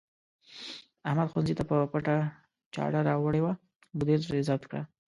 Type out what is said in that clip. احمد ښوونځي ته په پټه چاړه راوړې وه، مدیر ترې ضبط کړه.